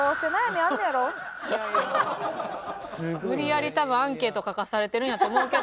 無理やり多分アンケート書かされてるんやと思うけど。